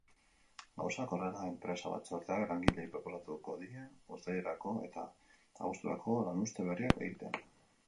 Gauzak horrela, enpresa-batzordeak langileei proposatuko die uztailerako eta abuzturako lanuzte berriak egitea.